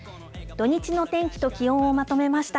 土日の天気と気温をまとめました。